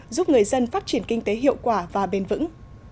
giúp người dân phát triển kinh tế hiệu quả và bền vững